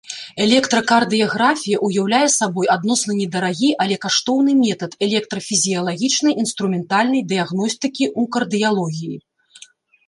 Электракардыяграфія ўяўляе сабой адносна недарагі, але каштоўны метад электрафізіялагічнай інструментальнай дыягностыкі ў кардыялогіі.